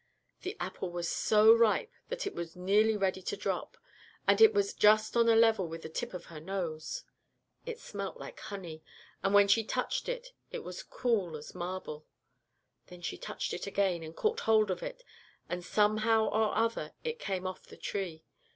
The apple was so ripe that it was nearly ready to drop, and it was just on a level with the tip of her nose. It smelt like honey, and when she touched it it was as cool as marble. Then she touched it again, and caught hold of it, and somehow or other it came off the tree.